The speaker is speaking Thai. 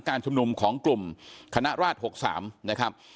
ชุมนุมของกลุ่มคณะราช๖๓นะครับ